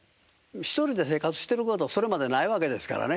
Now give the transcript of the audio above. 一人で生活してることそれまでないわけですからね